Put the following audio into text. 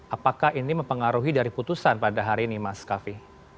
apakah ini mempengaruhi dari putusan pada hari ini mas kavi